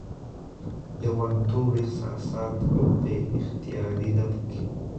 لېونتوب، احساسات او بې اختياري ده پکې